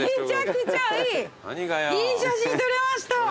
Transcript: いい写真撮れました。